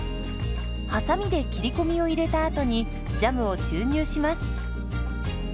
はさみで切り込みを入れたあとにジャムを注入します。